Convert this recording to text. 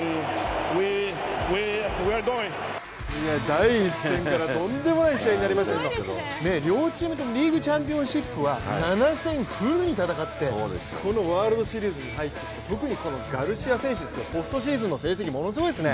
第１戦からとんでもない試合になりましたけれども両チームともリーグチャンピオンシップは７戦、フルに戦ってこのワールドシリーズに入って特にこのガルシア選手、ポストシーズンの成績ものすごいですね。